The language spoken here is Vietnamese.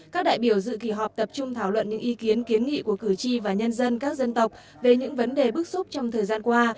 các đại biểu dự kỳ họp tập trung thảo luận những ý kiến kiến nghị của cử tri và nhân dân các dân tộc về những vấn đề bức xúc trong thời gian qua